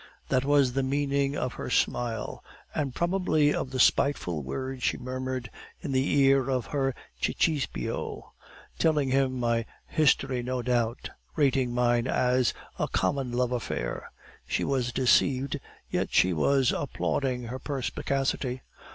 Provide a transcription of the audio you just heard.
"That was the meaning of her smile, and probably of the spiteful words she murmured in the ear of her cicisbeo, telling him my history no doubt, rating mine as a common love affair. She was deceived, yet she was applauding her perspicacity.